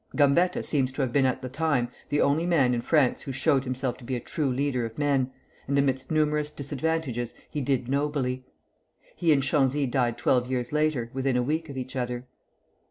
Gambetta seems to have been at that time the only man in France who showed himself to be a true leader of men, and amidst numerous disadvantages he did nobly. He and Chanzy died twelve years later, within a week of each other.